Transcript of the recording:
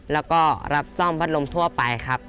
แล้วก็รับซ่อมพัดลมทั่วไปครับ